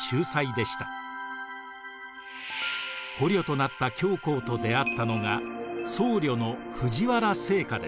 捕虜となった姜と出会ったのが僧侶の藤原惺窩です。